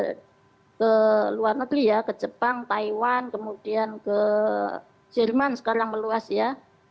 saya ke luar negeri ya ke jepang taiwan kemudian ke jerman sekarang meluas ya